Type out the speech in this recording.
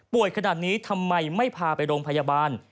ขนาดนี้ทำไมไม่พาไปโรงพยาบาล